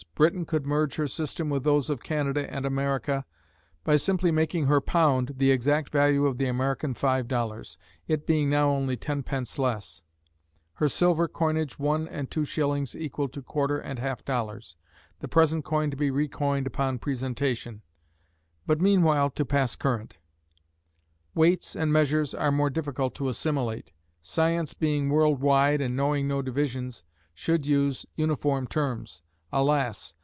Britain could merge her system with those of Canada and America, by simply making her "pound" the exact value of the American five dollars, it being now only ten pence less; her silver coinage one and two shillings equal to quarter and half dollars, the present coin to be recoined upon presentation, but meanwhile to pass current. Weights and measures are more difficult to assimilate. Science being world wide, and knowing no divisions, should use uniform terms. Alas!